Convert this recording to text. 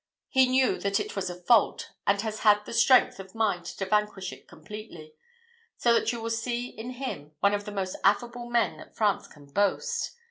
He knew that it was a fault, and has had the strength of mind to vanquish it completely; so that you will see in him one of the most affable men that France can boast.